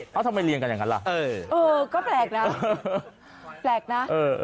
เค้าทำไมลีงกันอย่างนั้นล่ะ